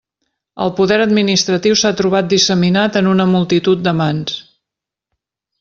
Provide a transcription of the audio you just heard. El poder administratiu s'ha trobat disseminat en una multitud de mans.